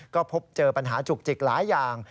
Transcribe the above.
ก็พบเจอปัญหาจุกจิกหลายอย่าง